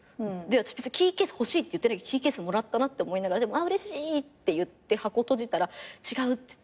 私別にキーケース欲しいって言ってないけどキーケースもらったなって思いながらでもうれしいって言って箱を閉じたら「違う」って。